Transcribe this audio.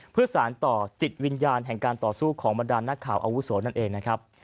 เพื่อสารต่อจิตวิญญาณแห่งการต่อสู้ของบรรดานนักข่าวอาวุโสนั่นเองนะครับ